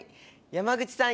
山口さん